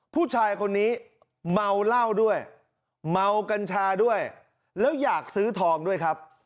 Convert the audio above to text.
ผู้ชายคนนี้เมาเหล้าด้วยเมากัญชาด้วยแล้วอยากซื้อทองด้วยครับ